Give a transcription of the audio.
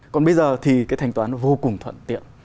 còn bây giờ thì cái thanh toán nó vô cùng thuận tiện